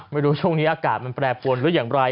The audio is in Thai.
ไม่รู้ช่วงนี้อากาศมันแปลกบาทวนรู้อย่างไร